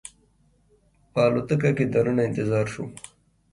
په الوتکه کې دننه انتظار شوم.